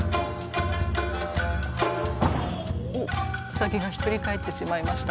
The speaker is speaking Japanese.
兎がひっくり返ってしまいました。